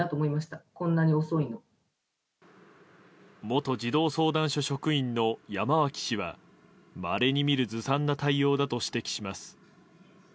元児童相談所職員の山脇氏はまれに見るずさんな対応だと指摘します。